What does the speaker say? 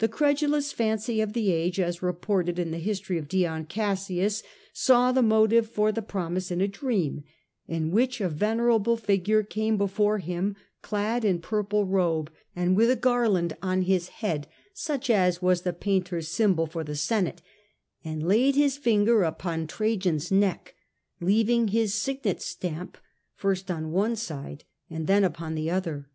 The credulous fancy of the age, as reported in the history of Dion Cassius, saw the motive for the promise in a dream, in which a venerable figure came before him, clad in purple robe and with a garland on his head — such as was the painter's symbol for the senate— and laid his finger upon Trajan's neck, leaving his signet stamp first on one side and tlien upon the other.